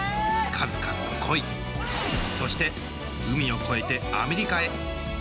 数々の恋そして海を越えてアメリカへ。